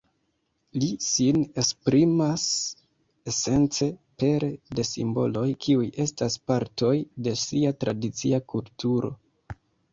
Li sin esprimas esence pere de simboloj kiuj estas partoj de sia tradicia kulturo.